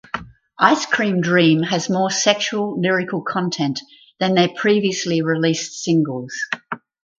Ice Cream Dream has more sexual lyrical content than their previously released singles.